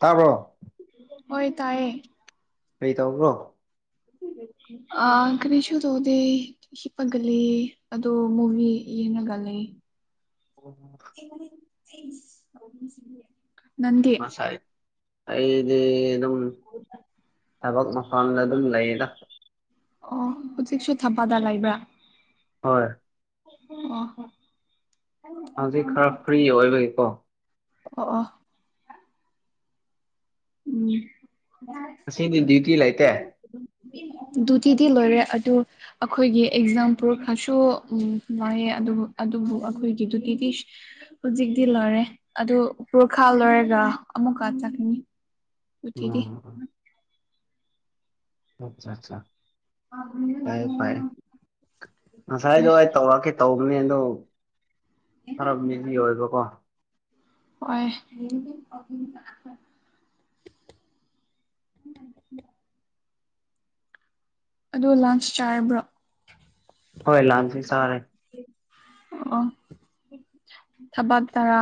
ꯇꯥꯕ꯭ꯔꯣ ꯍꯣꯏ ꯇꯥꯏꯌꯦ ꯫ ꯀꯩ ꯇꯧꯕ꯭ꯔꯣ? ꯑꯥ ꯀꯔꯤꯁꯨ ꯇꯧꯗꯦ ꯫ ꯍꯤꯞꯄꯒꯂꯩ ꯑꯗꯣ ꯃꯨꯚꯤ ꯌꯦꯡꯉꯒ ꯂꯩ ꯫ [unintelligible] ꯉꯁꯥꯏ ꯑꯩꯗꯤ ꯑꯗꯨꯝ ꯊꯕꯛ ꯃꯐꯝꯗ ꯑꯗꯨꯝ ꯂꯩꯌ‌ꯦꯗ ꯫ ꯑꯣ ꯍꯧꯖꯤꯛꯁꯨ ꯊꯕꯛꯗ ꯂꯩꯕ꯭ꯔꯥ? ꯍꯣꯏ ꯑ‌ꯣ ꯍꯣ ꯍꯧꯖꯤꯛ ꯈꯔ ꯐ꯭ꯔꯤ ꯑꯣꯏꯕꯒꯤꯀꯣ ꯫ ꯑꯣ ꯑ‌ꯣ ꯎꯝ ꯉꯁꯤꯗꯤ ꯗ꯭ꯌꯨꯇꯤ ꯂꯩꯇꯦ ꯫ ꯗꯨꯇꯤꯗꯤ ꯂꯣꯏꯔꯦ ꯑꯗꯨ ꯑꯩꯈꯣꯏꯒꯤ ꯑꯦꯛꯖꯥꯝ ꯄꯨꯔꯛꯈꯔꯁꯨ ꯎꯝ ꯂꯩꯌ‌ꯦ ꯑꯗꯨꯕꯨ ꯑꯗꯨꯕꯨ ꯑꯩꯈꯣꯏꯒꯤ ꯗꯨꯒꯤꯗꯤ ꯍꯧꯖꯤꯛꯇꯤ ꯂꯣꯏꯔꯦ ꯑꯗꯨ ꯄꯔꯈꯥ ꯂꯣꯏꯔꯒ ꯑꯃꯨꯛꯀ ꯆꯠꯀꯅꯤ ꯫ ꯑꯣ ꯎꯠꯇꯦꯗꯤ ꯑꯠꯆꯥ ꯆꯥ ꯄꯥꯏꯌꯨ ꯄꯥꯏ ꯍꯣꯏ ꯉꯁꯥꯏꯗꯣ ꯑꯩ ꯇꯧꯔꯛꯀꯦ ꯇꯧꯕꯅꯦ ꯑꯗꯣ ꯈꯔ ꯃꯤꯖꯤ ꯑꯣꯏꯕꯀꯣ ꯍꯣꯏ ꯑꯗꯣ ꯂꯥꯟꯁ ꯆꯥꯔꯕ꯭ꯔꯣ ꯍꯣꯏ ꯂꯥꯟꯁꯤ ꯆꯔꯦ ꯑꯣ ꯊꯕꯛ ꯇꯔꯥ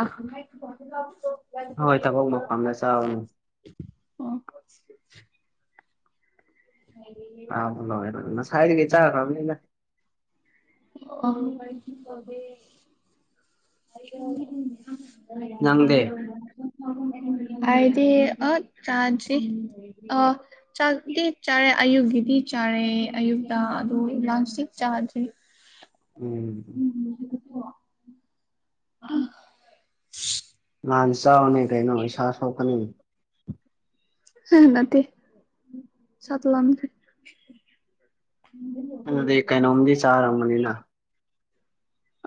ꯍꯣꯏ ꯊꯕꯛ ꯃꯄꯝꯗ ꯆꯥꯕꯅꯤ ꯑꯣ ꯈꯥꯏꯗꯒꯤ ꯆꯈ꯭ꯔꯝꯅꯤꯗ ꯑꯣ [unintelligible] ꯅꯪꯗꯤ [unintelligible] ꯑꯥꯏꯗꯤ ꯑ ꯆꯥꯗ꯭ꯔꯤ ꯑ ꯆꯥꯛꯗꯤ ꯆꯥꯔꯦ ꯑꯌꯨꯛꯀꯤꯗꯤ ꯆꯥꯔꯦ ꯑꯌꯨꯛꯇ ꯑꯗꯨ ꯂꯟꯁꯇꯤ ꯆꯥꯗ꯭ꯔꯤ ꯎꯝ [unintelligible] ꯅꯑꯥꯟ ꯆꯥꯎꯅꯦ ꯀꯩꯅꯣ ꯏꯁꯥ ꯁꯣꯛꯀꯅꯤ ꯍꯝ ꯅꯠꯇꯦ ꯆꯥꯠ ꯂꯝꯈ꯭ꯔꯦ ꯑꯗꯨꯗꯤ ꯀꯩꯅꯣꯝꯗꯤ ꯆꯥꯔꯝꯒꯅꯤꯅ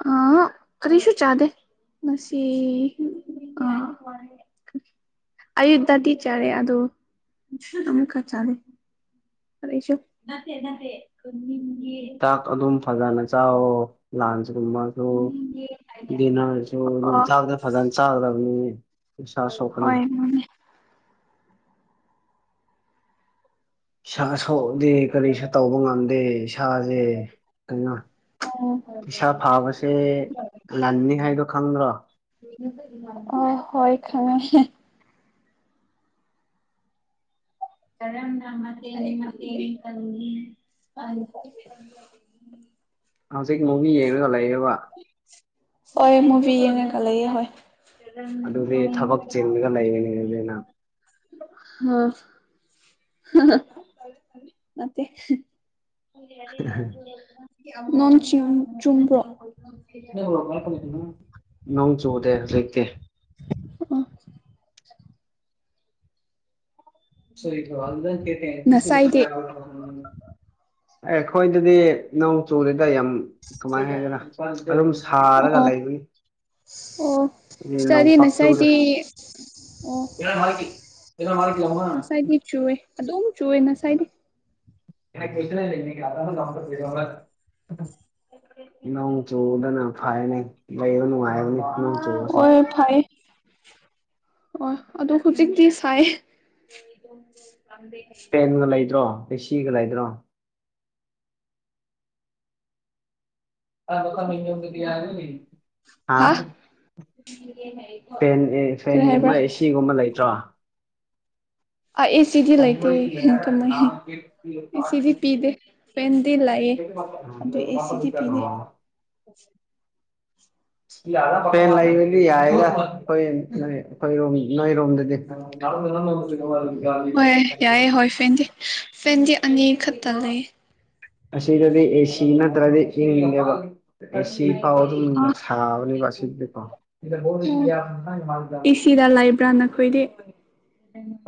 ꯑꯥꯍꯣ ꯀꯔꯤꯁꯨ ꯆꯥꯗꯦ ꯃꯁꯤ ꯑꯥ ꯑꯌꯨꯛꯇꯗꯤ ꯆꯥꯔꯦ ꯑꯗꯣ ꯑꯃꯨꯛꯀ ꯆꯥꯔꯦ ꯑꯂꯩꯁꯨ ꯅꯠꯇꯦ ꯅꯠꯇꯦ ꯈꯨꯟꯒꯤ ꯃꯤ ꯇꯥꯛ ꯑꯗꯨꯝ ꯐꯖꯅ ꯆꯥꯎꯋꯣ ꯂꯥꯟꯁꯒꯨꯝꯃ ꯂꯣꯛ ꯗꯤꯟꯅꯔꯁꯨ ꯑꯗꯨꯝ ꯑꯣ ꯆꯥꯛꯗ ꯐꯖꯅ ꯆꯥꯒꯗꯕꯅꯤ ꯏꯁꯥ ꯁꯣꯛꯄꯅꯤ ꯍꯣꯏ ꯃꯥꯅꯦ ꯏꯁꯥ ꯁꯣꯛꯎꯗꯤ ꯀꯔꯤꯁꯨ ꯇꯧꯕ ꯉꯝꯗꯦ ꯏꯁꯥꯖꯦ ꯀꯩꯅꯣ ꯏꯁꯥ ꯐꯥꯕꯁꯦ ꯂꯟꯅꯤ ꯍꯥꯏꯗꯣ ꯈꯪꯗ꯭ꯔꯣ ꯑꯣꯏ ꯍꯣꯏ ꯈꯡꯉꯦ ꯀꯔꯝꯅ ꯃꯇꯦꯡ ꯃꯇꯦꯡ ꯄꯪꯉꯤ [unintelligible] ꯍꯧꯖꯤꯛ ꯃꯨꯚꯤ ꯌꯦꯡꯔꯒ ꯂꯩꯔꯦꯕ ꯍꯣꯏ ꯃꯨꯚꯤ ꯌꯦꯡꯔꯒ ꯂꯩꯌꯦ ꯍꯣꯏ ꯑꯗꯨꯗꯤ ꯊꯕꯛ ꯆꯤꯟꯒ ꯂꯩꯔꯦꯅꯦ [unintelligible] ꯍꯥ ꯅꯠꯇꯦ [unintelligible] ꯅꯣꯡꯆꯨꯝ ꯆꯨꯝꯕ꯭ꯔꯣ ꯅꯣꯡ ꯆꯨꯗꯦ ꯂꯩꯇꯦ ꯁꯣꯏ ꯊꯨꯋꯥꯎꯖꯟ ꯀꯦꯄꯦ ꯉꯁꯥꯏꯗꯤ [unintelligible] ꯑꯩꯈꯣꯏꯗꯗꯤ ꯅꯣꯡ ꯆꯨꯔꯦꯗ ꯌꯥꯝ ꯀꯃꯥꯏꯟ ꯍꯥꯏꯒꯔꯥ ꯑꯗꯨꯝ ꯑꯣ ꯁꯥꯔꯒ ꯑꯣ ꯂꯩꯕꯅꯤ ꯑꯣ ꯅꯣꯡ ꯆꯔꯤ ꯅꯁꯥꯏꯠꯗꯤ ꯑꯣ ꯑꯤꯌꯔ ꯃꯥꯢꯛꯀꯤ [unintelligible] ꯅꯁꯥꯏꯗꯤ ꯆꯨꯋꯦ ꯑꯗꯨꯝ ꯆꯨꯋꯦ ꯅꯁꯥꯏꯗꯤ [unintelligible] ꯅꯣꯡ ꯆꯨꯗꯨꯅ ꯐꯥꯏꯅꯤ ꯂꯩꯩꯕ ꯅꯨꯡꯉꯥꯏꯔꯝꯅꯤ ꯑꯣꯢ ꯐꯩ ꯑꯣꯢ ꯑꯗꯨ ꯍꯨꯖꯤꯛꯇꯤ ꯁꯥꯏ ꯐꯦꯟꯒ ꯂꯩꯗ꯭ꯔꯣ ꯑꯦꯁꯤꯒ ꯂꯩꯗ꯭ꯔꯣ ꯍꯥ ꯑꯥ [inaudible] ꯄꯦꯟ ꯑꯦ ꯀꯔꯤ ꯐꯦꯟꯒꯨꯝꯕ ꯍꯥꯏꯕ꯭ꯔꯥ ꯑꯦꯁꯤꯒꯨꯝꯕ ꯂꯩꯇ꯭ꯔꯣ ꯑ ꯢꯁ ꯁꯤꯗꯤ ꯂꯩꯇꯦ ꯀꯃꯥꯏꯅꯥ ꯍꯥꯏꯅꯤ ꯑꯦꯁꯤꯗꯤ ꯄꯤꯗꯦ ꯐꯦꯟꯗꯤ ꯂꯩꯌꯦ ꯑꯗꯨ ꯑꯦꯁꯤꯗꯤ ꯄꯤꯗꯦ ꯐꯦꯟ ꯂꯩꯔꯗꯤ ꯌꯥꯢꯗ ꯍꯣꯏ ꯅꯣꯏ ꯑꯩꯈꯣꯏꯔꯣꯝ ꯅꯣꯏꯔꯣꯝꯗꯗꯤ ꯍꯣꯏ ꯌꯥꯏꯌꯦ ꯍꯣꯏ ꯐꯦꯟꯗꯤ ꯐꯦꯟꯗꯤ ꯑꯅꯤ ꯈꯛꯇ ꯂꯩꯌꯦ ꯑꯁꯤꯗꯗꯤ ꯑꯦꯁꯤ ꯅꯠꯇ꯭ꯔꯗꯤ ꯢꯡꯗꯦꯕ ꯑꯦꯁꯤ ꯐꯥꯑꯣ ꯑꯣ ꯑꯗꯨꯝ ꯁꯥꯕꯅꯦꯕꯥ ꯁꯤꯗꯥꯗꯤꯀꯣ ꯑꯣ ꯑꯦꯁꯤꯗ ꯂꯩꯕ꯭ꯔꯥ ꯅꯈꯣꯏꯗꯤ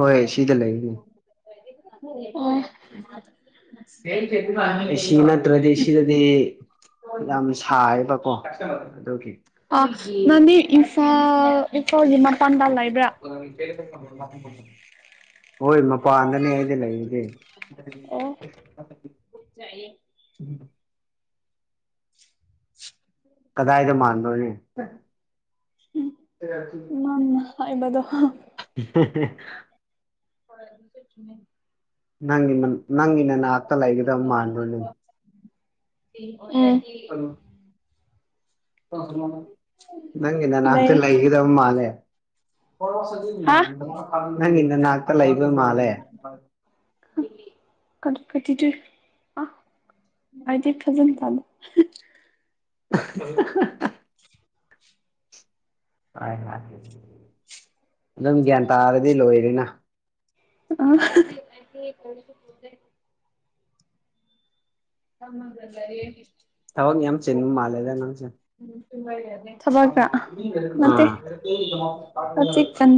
ꯍꯣꯏ ꯑꯦꯁꯤꯗ ꯂꯩꯅꯤ ꯑꯣ ꯑꯦꯁꯤ ꯅꯠꯇ꯭ꯔꯗꯤ ꯁꯤꯗꯗꯤ ꯌꯥꯝ ꯁꯥꯏ ꯀꯣ ꯑꯗꯨꯒꯤ ꯑ ꯅꯪꯗꯤ ꯏꯝꯐꯥꯜ ꯏꯐꯥꯜꯒꯤ ꯃꯄꯥꯟꯗ ꯂꯩꯕ꯭ꯔꯥ ꯍꯣꯏ ꯃꯄꯥꯟꯗꯅꯦ ꯑꯩꯅ ꯂꯩꯔꯤꯁꯦ [inaudible] ꯄꯨꯛ ꯆꯥꯛꯌꯦ ꯀꯗꯥꯏꯗ ꯃꯥꯟꯗꯣꯔꯤ ꯅꯪꯅ ꯍꯥꯢꯕꯗꯣ [unintelligible] ꯍꯣꯢ ꯑꯗꯨꯒꯤꯅꯦ ꯅꯪꯒꯤ ꯅꯪꯒꯤ ꯅꯅꯥꯛꯇ ꯂꯩꯒꯗꯕ ꯃꯥꯟꯕ꯭ꯔꯣꯅꯦ ꯑꯝ ꯑꯂꯨ ꯅꯪꯒꯤ ꯅꯅꯥꯛꯇ ꯂꯩ ꯂꯩꯒꯗꯕ ꯃꯥꯜꯂꯦ ꯍꯥ ꯅꯪꯒꯤ ꯅꯅꯥꯥꯛꯇ ꯂꯩꯒꯗꯕ ꯃꯥꯜꯂꯦ ꯑ ꯑꯩꯗꯤ ꯐꯖꯅ ꯇꯥꯗꯦ [unintelligible] ꯍꯥꯢ ꯍꯥꯢ ꯅꯪ ꯒ꯭ꯌꯥꯟ ꯇꯥꯔꯗꯤ ꯂꯣꯏꯔꯦꯅ ꯑ ꯐꯝꯃꯒ ꯂꯩꯌꯦ ꯊꯕꯛ ꯌꯥꯝ ꯆꯤꯟꯕ ꯃꯥꯜꯂꯦꯗ ꯅꯪꯁꯦ ꯑ ꯅꯠꯇꯦ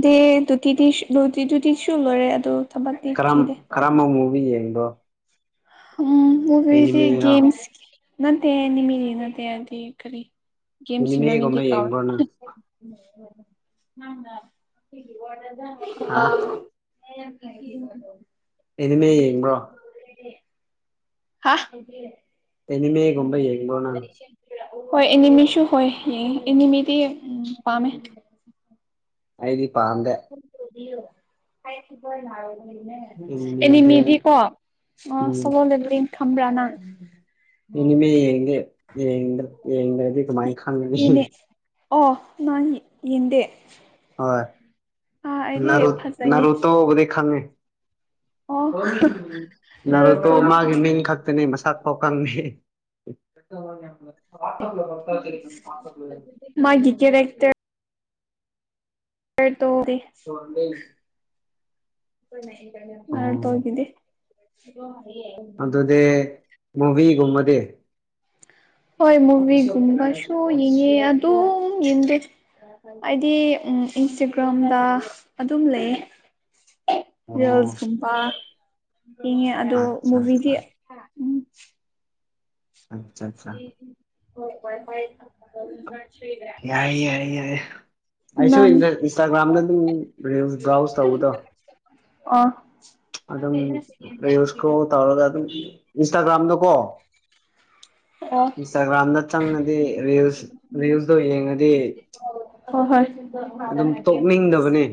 ꯇꯦ ꯇꯨꯇꯤꯗꯤꯁ ꯂꯣꯢꯗꯔꯤꯗꯨꯗꯤ ꯗꯤꯁꯨ ꯂꯣꯢꯔꯦ ꯑꯗꯣ ꯊꯕꯛꯇꯤ ꯀꯔꯝ ꯊꯤꯗꯦ ꯀꯔꯝꯕ ꯃꯋꯣꯡꯗ ꯌꯦꯡꯕꯔꯣ ꯍꯝ ꯃꯨꯕꯤꯗꯤ ꯒꯦꯝꯁ ꯅꯠꯇꯦ ꯑꯦꯅꯤꯃꯤ ꯌꯦꯉꯥꯗꯤ ꯍꯥꯏꯗꯤ ꯀꯔꯤ ꯒꯦꯝꯁ ꯁꯤ ꯃꯃꯤꯡꯗꯤ ꯑꯦꯅꯤꯃꯦꯒꯨꯝꯕ ꯀꯥꯎꯋꯦ ꯌꯦꯡꯕ꯭ꯔꯣ ꯅꯪ ꯍꯥ ꯋꯥ ꯑꯦꯅꯤꯃꯦ ꯌꯦꯡꯕ꯭ꯔꯣ [unintelligible] ꯍꯥ꯫ ꯑꯦꯅꯤꯃꯦꯒꯨꯝꯕ ꯌꯦꯡꯕ꯭ꯔꯣ ꯅꯪ ꯫ ꯍꯣꯏ ꯑꯦꯅꯤꯃꯤꯁꯨ ꯍꯣꯏ ꯌꯦꯡꯏ ꯏꯅꯤꯃꯤꯗꯤ ꯎꯝ ꯄꯥꯝꯃꯦ꯫ ꯑꯩꯗꯤ ꯄꯥꯝꯗꯦ꯫ [unintelligible] ꯍꯥꯏꯔꯛꯀꯤꯀꯣ ꯑꯩꯅ ꯍꯥꯏꯕꯗꯣ꯫ ꯂꯩꯅꯦ ꯑꯦꯅꯤꯃꯦꯁꯦ ꯑꯦꯅꯤꯃꯤꯗꯤ ꯀꯣ ꯑꯣ ꯎꯝ ꯁꯣꯝ ꯂꯣꯝꯗ ꯂꯤꯡ ꯊꯝꯕ꯭ꯔ ꯅꯪ꯫ ꯑꯦꯅꯤꯃꯦ ꯌꯦꯡꯗ ꯌꯦꯡꯗ꯭ꯔꯗꯤ ꯀꯃꯥꯏ ꯈꯪꯅꯤ꯫ ꯌꯦꯡꯉꯦ ꯑꯣ ꯃꯥꯅꯤ ꯌꯦꯡꯗꯦ꯫ ꯍꯣꯏ ꯑꯥ ꯑꯩꯗꯤ ꯅꯔꯨ ꯐꯖꯩꯌꯦ ꯅꯔꯨꯇꯣꯕꯨꯗꯤ ꯈꯪꯉꯤ ꯫ ꯑꯣ [unintelligible] ꯅꯔꯨꯇꯣꯗꯤ ꯅꯔꯨꯇꯣꯃꯥꯒꯤ ꯃꯤꯡ ꯈꯛꯇꯅꯦ ꯃꯁꯛ ꯐꯧ ꯈꯪꯗꯦ [unintelligible] [unintelligible] ꯃꯥꯒꯤ ꯀꯦꯔꯦꯛꯇꯔ ꯇꯔ ꯇꯣꯗꯦ꯫ [unintelligible] [unintelligible] ꯅꯟꯇꯔꯅꯦꯜ ꯑꯣ ꯅꯔꯨꯇꯣꯒꯤꯗꯤ [unintelligible] ꯑꯗꯨꯗꯤ ꯃꯨꯕꯤꯒꯨꯝꯕꯗꯤ꯫ ꯍꯣꯏ ꯃꯨꯕꯤꯒꯨꯝꯕꯁꯨ ꯌꯦꯡꯉꯦ [unintelligible] ꯑꯗꯨꯝ ꯌꯦꯡꯗꯦ꯫ [unintelligible] ꯍꯥꯏꯗꯤ ꯎꯝ ꯏꯟꯁꯇꯒ꯭ꯔꯥꯝꯗ ꯑꯗꯨꯝ ꯂꯩꯑꯦ ꯫ ꯑꯣ ꯔꯤꯜꯁꯀꯨꯝꯕ [unintelligible] ꯌꯦꯡꯉꯦ ꯑꯗꯣ ꯑꯠꯆꯥ ꯃꯨꯕꯤꯗꯤ ꯑꯠꯆꯥ ꯍꯥ ꯑꯠꯆꯥ ꯑꯠꯆꯥ ꯥ [unintelligible] ꯋꯥꯏꯐꯥꯏ [unintelligible] ꯌꯥꯏ ꯌꯥꯏ ꯌꯥꯏꯌꯦ꯫ ꯑꯩꯁꯨ ꯅꯪ ꯏꯟꯗ ꯏꯟꯁꯇꯥꯒ꯭ꯔꯥꯝꯗ ꯑꯗꯨꯝ ꯔꯤꯜꯁ ꯕ꯭ꯔꯥꯎꯁ ꯇꯧꯕꯗꯣ ꯑꯣ ꯑꯗꯨꯝ ꯔꯤꯜꯁ ꯏꯁꯀꯣꯜ ꯇꯧꯔꯒ ꯑꯗꯨꯝ ꯏꯟꯁꯇꯥꯒ꯭ꯔꯥꯝꯗꯀꯣ ꯑꯣ ꯏꯟꯁꯇꯥꯒ꯭ꯔꯥꯝꯗ ꯆꯪꯉꯗꯤ ꯔꯤꯜꯁ ꯔꯤꯜꯁ ꯗꯣ ꯌꯦꯡꯉꯗꯤ ꯍꯣꯏ ꯑꯗꯨꯝ ꯍꯣꯏ ꯇꯣꯛꯅꯤꯡꯗꯕꯅꯦ꯫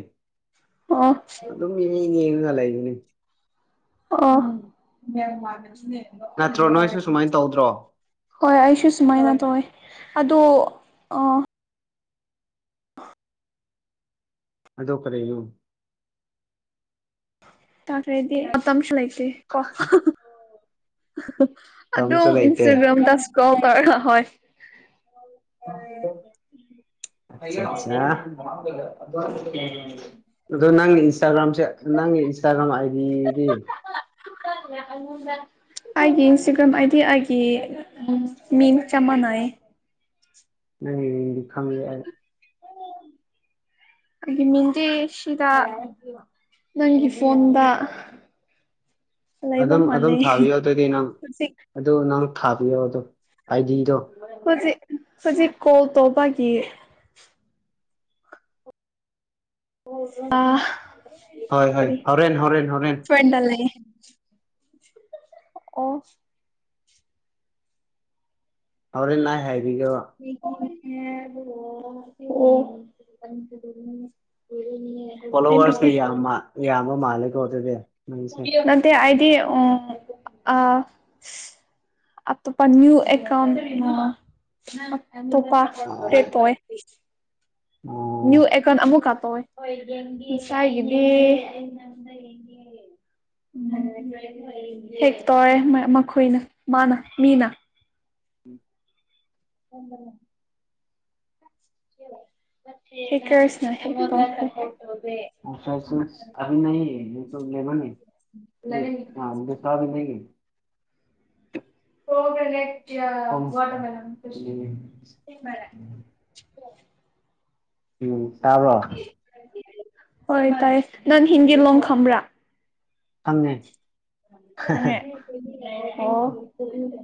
ꯑꯣ ꯑꯩ ꯑꯗꯨꯝ ꯌꯦꯡ ꯌꯦꯡꯉꯒꯥ ꯂꯩꯕꯅꯤ꯫ ꯑꯣ [unintelligible] ꯑꯩꯅ ꯅꯣ ꯅꯠꯇ꯭ꯔꯣ ꯅꯣꯏꯁꯨ ꯍꯥꯏꯕꯅꯤ꯫ ꯁꯨꯃꯥꯏꯅ ꯇꯧꯗ꯭ꯔꯣ ꯍꯣꯏ ꯑꯩꯁꯨ ꯁꯨꯃꯥꯏꯅ ꯇꯧꯋꯦ ꯑꯗꯣ ꯑꯥ ꯑꯗꯣ ꯀꯔꯤꯅꯣ꯫ ꯇꯥꯈ꯭ꯔꯦꯗꯤ [unintelligible] ꯃꯇꯝꯁꯨ ꯂꯩꯇꯦ ꯀꯣ [unintelligible] ꯑꯗꯨ ꯇꯝꯁꯨ ꯂꯩꯇꯦ ꯏꯟꯁꯇꯥꯒ꯭ꯔꯥꯝꯗ [unintelligible] ꯏꯁꯀꯣꯜ ꯇꯧꯔꯒ ꯍꯣꯏ [unintelligible] [unintelligible] [unintelligible] ꯑꯗꯣ ꯅꯪꯒꯤ ꯏꯟꯁꯇꯥꯒ꯭ꯔꯥꯝꯁꯦ ꯅꯪꯒꯤ ꯏꯟꯁꯇꯥꯒ꯭ꯔꯥꯝ ꯑꯥꯏꯗꯤꯗꯤ꯫ [unintelligible] [unintelligible] ꯑꯩꯒꯤ ꯏꯟꯁꯇꯒ꯭ꯔꯥꯝ ꯑꯥꯏꯗꯤ ꯑꯩꯒꯤ [unintelligible] ꯎꯝ ꯃꯤꯡ ꯆꯞ ꯃꯥꯟꯅꯩ꯫ ꯅꯪꯒꯤ ꯃꯤꯡꯗꯤ ꯈꯪꯉꯤ ꯑꯩ꯫ ꯑꯩ ꯃꯤꯡꯗꯤ ꯁꯤꯗꯥ [unintelligible] ꯅꯪꯒꯤ [unintelligible] ꯐꯣꯟꯗ ꯂꯩꯕ ꯑꯗꯨꯝ ꯑꯗꯨꯝ ꯃꯥꯜꯂꯦ ꯊꯥꯕꯤꯌꯣ ꯑꯗꯨꯗꯤ ꯅꯪ ꯍꯧꯖꯤꯛ ꯑꯗꯨ ꯅꯪ ꯊꯥꯕꯤꯌꯣ ꯑꯗꯨꯝ ꯑꯥꯏꯗꯤꯗꯣ꯫ [unintelligible] ꯍꯨꯖꯤꯛ ꯍꯨꯖꯤꯛ ꯀꯣꯜ ꯇꯧꯕꯒꯤ [unintelligible] ꯑꯥ ꯍꯣꯏ ꯍꯣꯏ ꯍꯣꯔꯦꯟ ꯍꯣꯔꯦꯟ ꯍꯣꯔꯦꯟ꯫ ꯄ꯭ꯔꯟꯗꯜ ꯂꯩꯌꯦ ꯫ ꯑꯣ ꯍꯣꯔꯦꯟ ꯅꯥꯏ ꯍꯥꯏꯕꯤꯒꯦꯔꯣ꯫ [inaudible] [unintelligible] ꯑꯣꯏꯔꯅꯤꯌꯦ꯫ ꯐꯣꯂꯣꯋꯔꯁꯀ ꯌꯥꯝꯃ ꯌꯥꯝꯕ ꯃꯥꯜꯂꯦꯀꯣ ꯑꯗꯨꯗꯤ ꯅꯪꯁꯦ ꯅꯠꯇꯦ ꯑꯩꯗꯤ ꯎꯝ ꯑ ꯑꯇꯣꯞꯄ ꯅ꯭ꯌꯨ ꯑꯦꯀꯥꯎꯟ ꯑ ꯑꯇꯣꯞꯄ ꯑꯥ ꯀ꯭ꯔꯦꯠ ꯇꯧꯑꯦ ꯑꯣ ꯅ꯭ꯌꯨ ꯑꯦꯀꯟ ꯑꯃꯨꯛ ꯀꯥ ꯇꯧꯋꯦ ꯉꯁꯥꯏꯒꯤꯗꯤ [unintelligible] ꯍꯦꯛ ꯇꯧꯔꯦ ꯃꯈꯣꯏꯅ ꯃꯥꯅ ꯃꯤꯅ [inaudible] ꯑꯩ ꯀ꯭ꯔꯁꯅ ꯍꯦꯛ ꯇꯧꯈ꯭ꯔꯦ [unintelligible] [unintelligible] ꯃꯔ [inaudible] ꯎꯝ ꯇꯥꯕ꯭ꯔꯣ ꯍꯣꯏ ꯇꯥꯏ ꯅꯪꯟ ꯍꯤꯟꯗꯤ ꯂꯣꯟ ꯈꯝꯕ꯭ꯔꯥ ꯈꯪꯉꯦ ꯈꯪꯉꯦ ꯑꯣ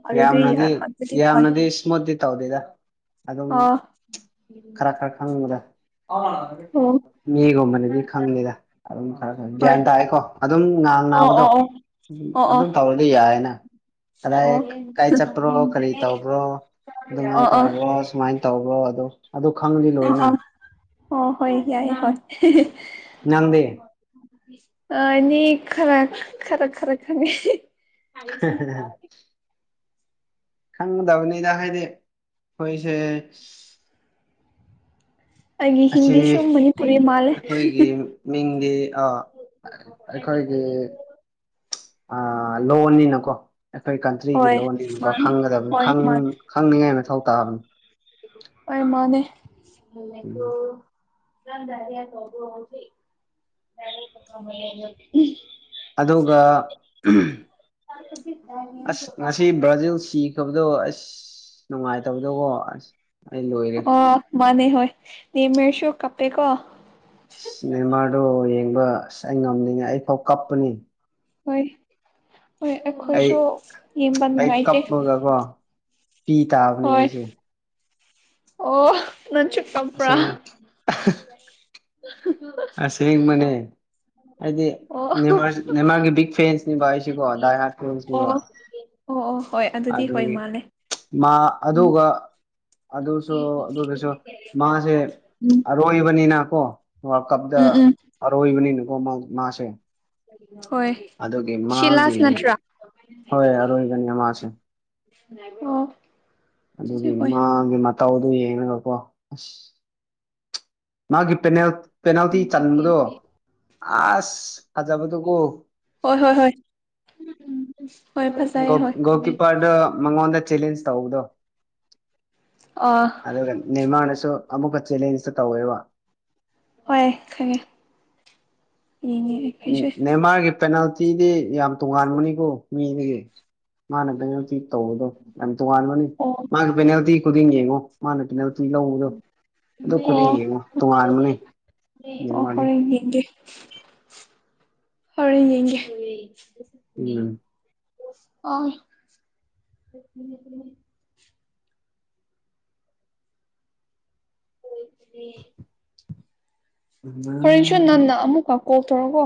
ꯑꯗꯨꯗꯤ ꯌꯥꯝꯅꯗꯤ ꯍꯧꯖꯤꯛ ꯌꯥꯝꯅꯗꯤ ꯏꯁꯃꯨꯠꯇꯤ ꯇꯧꯗꯦꯗ ꯑꯗꯨꯝ ꯈꯔ ꯈꯔ ꯈꯪꯕꯗ ꯑꯣ ꯃꯤꯒꯨꯝꯕꯅꯗꯤ ꯈꯪꯅꯤꯗ ꯑꯗꯨꯝ ꯈꯔ ꯈꯔ ꯍꯣꯏ ꯒ꯭ꯌꯥꯟ ꯇꯥꯑꯦꯀꯣ ꯉꯥꯡ ꯑꯣ ꯑꯣ ꯅꯥꯕꯗꯣ ꯑꯣ ꯑꯣ ꯑꯣ ꯑꯣ ꯑꯗꯨꯝ ꯇꯧꯔꯗꯤ ꯌꯥꯏꯅ ꯀꯗꯥꯏ ꯑꯣ ꯑꯣ ꯀꯥꯏ ꯆꯠꯄ꯭ꯔꯣ ꯀꯔꯤ ꯇꯧꯕ꯭ꯔꯣ ꯑꯗꯨꯃꯥꯏꯅ ꯑꯣ ꯑꯣ ꯇꯧꯕ꯭ꯔꯣ ꯁꯨꯃꯥꯏꯅ ꯇꯧꯕ꯭ꯔꯣ ꯑꯗꯣ ꯑꯗꯣ ꯈꯪꯂꯗꯤ ꯑꯣ ꯂꯣꯏꯅ ꯑꯣ ꯑꯣ ꯍꯣꯏ ꯌꯥꯏ ꯍꯣꯏ ꯅꯪꯗꯤ ꯑꯅꯤ ꯈꯔ ꯈꯔ ꯈꯔ ꯈꯪꯉꯦ ꯈꯪꯗꯕ ꯅꯤꯗ ꯍꯥꯏꯗꯤ ꯍꯣꯏꯁꯦ ꯑꯩꯒꯤ ꯑꯁꯤ ꯍꯤꯟꯗꯤ ꯁꯨ ꯃꯅꯤꯄꯨꯔꯤ ꯃꯥꯜꯂꯦ ꯑꯩꯈꯣꯏꯒꯤ ꯃꯤꯡꯗꯤ ꯑ ꯑꯩꯈꯣꯏꯒꯤ ꯑ ꯂꯣꯟꯅꯤꯅꯀꯣ ꯑꯩꯈꯣꯏ ꯀꯟꯇ꯭ꯔꯤꯒꯤ ꯍꯣꯏ ꯂꯣꯟꯗꯤ ꯗꯨꯝꯀꯣ ꯃꯥꯅꯤ ꯈꯪꯒꯗꯕꯅꯤ ꯍꯣꯏ ꯈꯪ ꯃꯥꯅꯦ ꯈꯪꯅꯤꯡꯉꯥꯏ ꯃꯊꯧ ꯇꯥꯕꯅꯤ ꯑꯣꯏ ꯃꯅꯦ ꯃꯨꯜꯂꯦꯀꯣ ꯎꯝ [inaudible] ꯑꯗꯨꯒ ꯑꯁ ꯉꯁꯤ ꯕ꯭ꯔꯥꯖꯤꯜ ꯁꯤ ꯢꯇꯣꯝꯗꯀꯣ ꯑꯁ ꯅꯨꯡꯉꯥꯏꯇꯕꯗꯣ ꯀꯣ ꯑꯁ ꯑꯩ ꯂꯣꯏꯔꯦ ꯑ ꯃꯥꯅꯦ ꯍꯣꯏ ꯅꯦꯃ꯭ꯔꯁꯨ ꯀꯄꯦ ꯀꯣ ꯁ ꯅꯦꯃꯥꯔꯗꯣ ꯌꯦꯡꯕ ꯑꯁ ꯑꯩ ꯉꯝꯗꯅꯦ ꯑꯩꯐꯥꯎ ꯀꯞꯄꯅꯤ ꯍꯣꯏ ꯍꯣꯏ ꯑꯩ ꯑꯩꯈꯣꯏꯁꯨ ꯌꯦꯡꯕ ꯑꯩ ꯅꯨꯡꯉꯥꯏꯇꯦ ꯀꯞꯄꯒꯀꯣ ꯄꯤ ꯇꯥꯕꯅꯦ ꯍꯣꯏ ꯑꯩꯁꯦ ꯑꯣ ꯅꯪꯁꯨ ꯀꯞꯄ꯭ꯔꯥ ꯑꯁꯦꯡ ꯑꯁꯦꯡꯕꯅꯦ [unintelligible] ꯍꯥꯏꯗꯤ ꯑꯣ ꯑꯣ ꯅꯦꯃꯥꯔ ꯅꯦꯃꯥꯔꯒꯤ ꯕꯤꯛ ꯐꯦꯟꯁꯅꯤꯕ ꯑꯩꯁꯤꯀꯣ ꯗꯥꯏ ꯍꯥꯔꯠ ꯐꯣꯟꯁꯅꯤꯕ ꯑꯣ ꯑꯣ ꯍꯣꯏ ꯑꯗꯨꯗꯤ ꯍꯣꯏ ꯃꯥꯜꯂꯦ ꯃꯥ ꯎꯝ ꯑꯗꯨꯒ ꯑꯗꯨꯁꯨ ꯑꯗꯨꯗꯁꯨ ꯃꯥꯁꯦ ꯎꯝ ꯑꯔꯣꯏꯕꯅꯤꯅꯀꯣ ꯋꯥꯔꯜ ꯀꯞꯇ ꯎꯝ ꯎꯝ ꯑꯔꯣꯏꯕꯅꯤꯅꯀꯣ ꯃꯥꯁꯦ ꯍꯣꯏ ꯑꯗꯨꯒꯤ ꯃꯥꯒꯤ ꯁꯤꯂꯥꯁ ꯅꯠꯇ꯭ꯔꯥ ꯍꯣꯏ ꯑꯔꯣꯏꯕꯅꯦ ꯃꯥꯁꯦ ꯑꯣ ꯑꯗꯨꯗꯤ ꯑꯗꯨꯒꯤ ꯍꯣꯏ ꯃꯥꯒꯤ ꯃꯇꯧꯗꯨ ꯌꯦꯡꯉꯒꯀꯣ ꯑꯁ ꯃꯥꯒꯤ ꯄꯦꯅꯦꯜ ꯄꯦꯅꯥꯜꯇꯤ ꯆꯟꯕꯗꯣ ꯑꯁ ꯐꯖꯕꯗꯨꯒꯣ ꯍꯣꯏ ꯍꯣꯏ ꯍꯣꯏ ꯎ ꯍꯣꯏ ꯐꯖꯩ ꯒꯣꯜ ꯍꯣꯏ ꯒꯣꯜ ꯀꯤꯞꯄꯔꯗꯣ ꯃꯉꯣꯟꯗ ꯆꯦꯂꯦꯟꯖ ꯇꯧꯕꯗꯣ ꯑ ꯑꯗꯨꯒ ꯅꯤꯔꯃꯅꯁꯨ ꯑꯃꯨꯛꯀ ꯆꯦꯂꯦꯟꯖꯇ ꯇꯧꯋꯦꯕ ꯍꯣꯏ ꯈꯪꯉꯦꯅꯦ ꯌꯦꯡꯉꯦ ꯑꯩ ꯎꯝ ꯅꯦꯃꯥꯥꯔꯒꯤ ꯄꯦꯅꯥꯜꯇꯤꯗꯤ ꯌꯥꯝ ꯇꯣꯉꯥꯟꯕꯅꯤꯀꯣ ꯃꯤꯗꯒꯤ ꯃꯥꯅ ꯄꯦꯅꯥꯜꯇꯤ ꯇꯧꯕꯗꯣ ꯌꯥꯝ ꯇꯣꯉꯥꯟꯕꯅꯤ ꯑꯣ ꯃꯥꯒꯤ ꯄꯦꯅꯥꯜꯇꯤ ꯈꯨꯗꯤꯡ ꯌꯦꯡꯉꯣ ꯃꯥꯅ ꯄꯦꯅꯥꯜ ꯅꯨꯄꯤ ꯂꯧꯕꯗꯣ ꯑꯗꯨ ꯈꯨꯗꯤꯡ ꯑꯣ ꯌꯦꯡꯉꯣ ꯇꯣꯉꯥꯟꯕꯅꯦ ꯑꯣ ꯅꯦꯃꯥꯔꯗꯤ ꯍꯣꯔꯦꯟ ꯌꯦꯡꯒꯦ ꯍꯣꯔꯦꯟ ꯌꯦꯡꯒꯦ ꯎꯝ ꯑꯣ [unintelligible] ꯍꯣꯔꯦꯟꯁꯨ ꯅꯟꯅ ꯑꯃꯨꯛꯀ ꯀꯣꯜ ꯇꯧꯔꯒꯣ